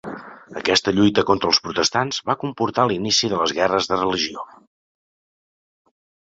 Aquesta lluita contra els protestants va comportar l'inici de les Guerres de Religió.